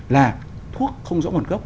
là thuốc không rõ nguồn gốc